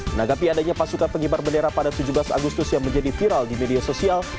menanggapi adanya pasukan pengibar bendera pada tujuh belas agustus yang menjadi viral di media sosial